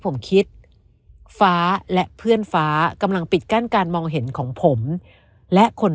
ผมคิดฟ้าและเพื่อนฟ้ากำลังปิดกั้นการมองเห็นของผมและคน